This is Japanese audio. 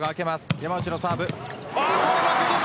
山内のサーブです。